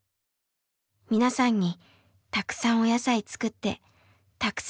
皆さんにたくさんお野菜作ってたくさん入れるようにします。